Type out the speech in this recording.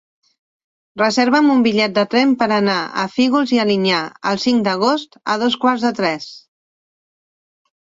Reserva'm un bitllet de tren per anar a Fígols i Alinyà el cinc d'agost a dos quarts de tres.